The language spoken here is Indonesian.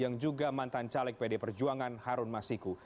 yang juga mantan caleg pd perjuangan harun masiku